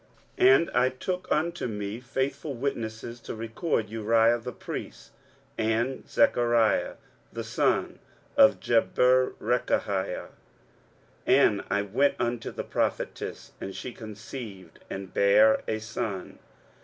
23:008:002 And I took unto me faithful witnesses to record, Uriah the priest, and Zechariah the son of Jeberechiah. 23:008:003 And I went unto the prophetess; and she conceived, and bare a son.